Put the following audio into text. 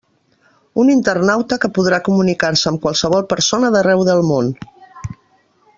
Un internauta que podrà comunicar-se amb qualsevol persona d'arreu del món.